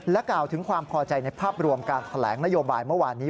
กล่าวถึงความพอใจในภาพรวมการแถลงนโยบายเมื่อวานนี้